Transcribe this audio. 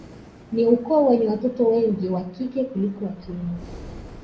Ni ukoo wenye watoto wengi wa kike kuliko wa kiume